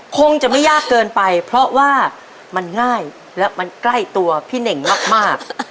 คงจะไม่ยากเกินไปเพราะว่ามันง่ายและมันใกล้ตัวพี่เน่งมาก